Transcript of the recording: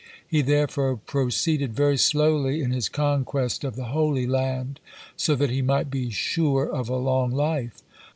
He therefore proceeded very slowly in his conquest of the Holy Land, so that he might be sure of a long life.